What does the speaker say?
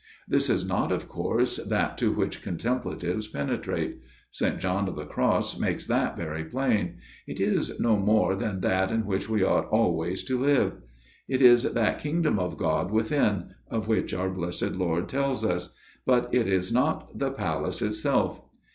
This is not of course that to which contemplatives penetrate ; St. John of the Cross makes that very plain ; it is no more than that in which we ought always to live. It is that Kingdom of God within, of which our Blessed Lord tells us ; but it is not the Palace itself.